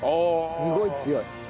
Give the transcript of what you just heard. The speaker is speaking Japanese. すごい強い。